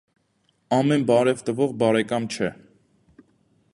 Ամեն բարև տվող բարեկամ չէ։